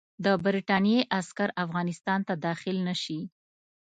د برټانیې عسکر افغانستان ته داخل نه شي.